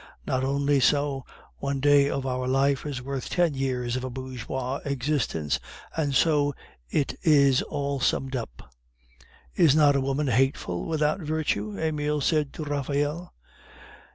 Not only so; one day of our life is worth ten years of a bourgeoise existence, and so it is all summed up." "Is not a woman hateful without virtue?" Emile said to Raphael.